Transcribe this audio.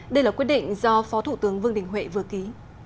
đây là quyết định do phó thủ tướng vương đình huệ vừa ký